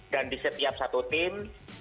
dan di setiap satu tim